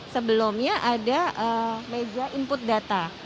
sebelumnya ada meja input data